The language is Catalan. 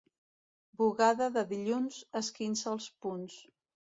Bugada de dilluns, esquinça els punts.